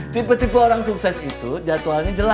tipe tipe orang sukses itu jadwalnya jelas